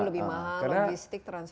lebih mahal logistik transportasi